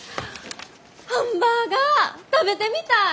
ハンバーガー食べてみたい！